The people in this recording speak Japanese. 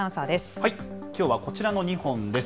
きょうはこちらの２本です。